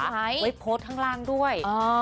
ไว้โพสต์ข้างล่างด้วย